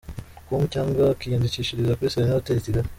com cyangwa akiyandikishiriza kuri Serena Hotel i Kigali.